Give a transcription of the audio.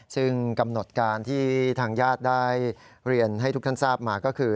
ซึ่งกำหนดการที่ทางญาติได้เรียนให้ทุกท่านทราบมาก็คือ